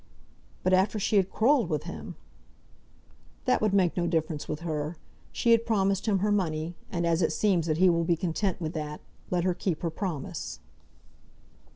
"But after she had quarrelled with him!" "That would make no difference with her. She had promised him her money, and as it seems that he will be content with that, let her keep her promise."